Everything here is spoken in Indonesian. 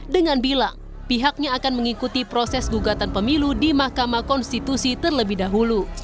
dengan bilang pihaknya akan mengikuti proses gugatan pemilu di mahkamah konstitusi terlebih dahulu